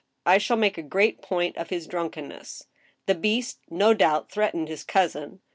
I shall make a great point of his drunkenness. The beast, no doubt, threatened his cousin.